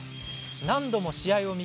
何度も試合を見返し